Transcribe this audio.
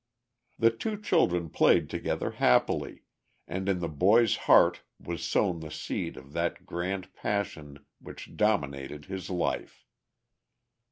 The two children played together happily, and in the boy's heart was sown the seed of that grand passion which dominated his life.